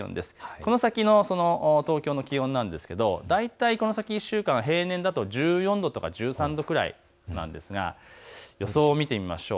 この先の東京の気温なんですけれども大体この先１週間、平年だと１４度１３度ぐらいなんですが予想を見てみましょう。